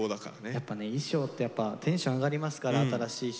やっぱね衣装ってやっぱテンション上がりますから新しい衣装着ると。